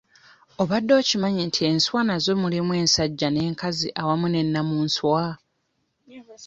Obadde okimanyi nti enswa nazo mulimu ensajja n'enkazi awamu ne nnamunswa?